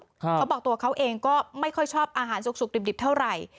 เขาบอกตัวเขาเองก็ไม่ค่อยชอบอาหารสุกดิบเท่าไหร่